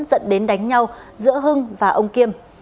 dẫn đến đánh nhau giữa hưng và ông kiêm